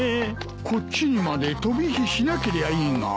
こっちにまで飛び火しなけりゃいいが。